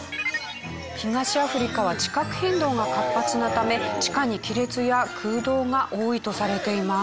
東アフリカは地殻変動が活発なため地下に亀裂や空洞が多いとされています。